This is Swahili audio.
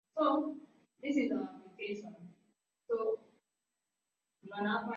bidhaa zinazotokana na petroli na kudhibiti bei za rejareja